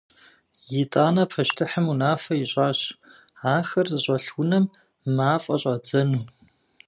Итӏанэ пащтыхьым унафэ ищӏащ ахэр зыщӏэлъ унэм мафӏэ щӏадзэну.